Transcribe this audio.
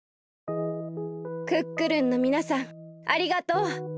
クックルンのみなさんありがとう。